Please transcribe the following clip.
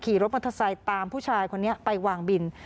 รถมอเตอร์ไซค์ตามผู้ชายคนนี้ไปวางบิน